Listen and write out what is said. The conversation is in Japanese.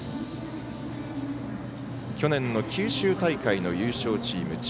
去年の九州大会の優勝チーム。